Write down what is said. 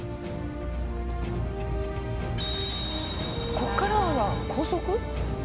ここからは高速？